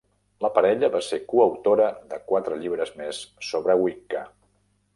La parella va ser coautora de quatre llibres més sobre Wicca.